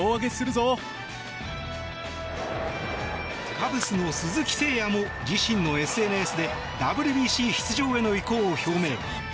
カブスの鈴木誠也も自身のＳＮＳでＷＢＣ出場への意向を表明。